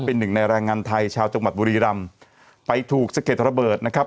เป็นหนึ่งในแรงงานไทยชาวจังหวัดบุรีรำไปถูกสะเก็ดระเบิดนะครับ